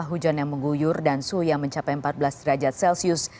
hujan yang mengguyur dan suhu yang mencapai empat belas derajat celcius